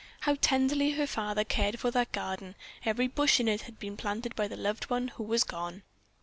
How tenderly her father cared for that garden, for every bush in it had been planted by the loved one who was gone.